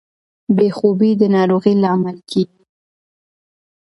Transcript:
بې خوبي د ناروغۍ لامل کیږي.